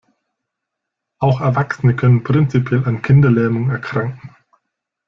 Auch Erwachsene können prinzipiell an Kinderlähmung erkranken.